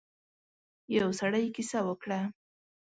يو سړی کيسه وکړه.